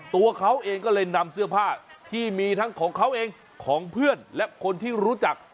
ตัวเขาเองก็เลยนำเสื้อผ้าที่มีทั้งของเขาเองของเพื่อนและคนที่รู้จัก